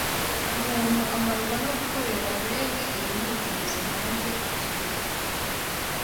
umuntu amarwa no gukorera bene iyo myitozo hanze ku kibuga